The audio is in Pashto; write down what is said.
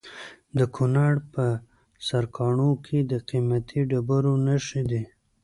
د کونړ په سرکاڼو کې د قیمتي ډبرو نښې دي.